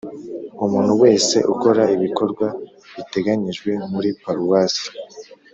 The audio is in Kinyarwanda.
Umuntu wese ukora ibikorwa biteganyijwe muri paruwasi